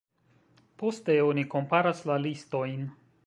Poste oni komparas la listojn.